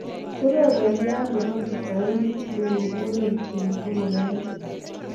kebeberyat nebo tufainik chrkokonon Tom ku koyachen